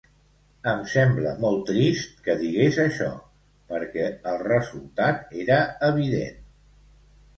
Em sembla molt trist que digués això, perquè el resultat era evident.